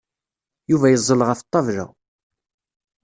Yuba yeẓẓel ɣef ṭṭabla.